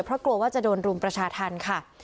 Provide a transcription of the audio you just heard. เพราะกลัวว่าจะโดนรุมประชาธรรมค่ะ